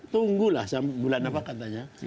tunggulah bulan apa katanya